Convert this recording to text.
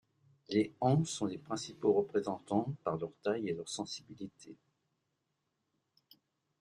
Les en sont les principaux représentants, par leur taille et leur sensibilité.